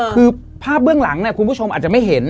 คือภาพเบื้องหลังคุณผู้ชมอาจจะไม่เห็น